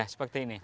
ya seperti ini